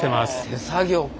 手作業か。